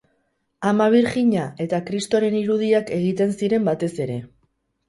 Ama Birjina eta Kristoren irudiak egiten ziren batez ere.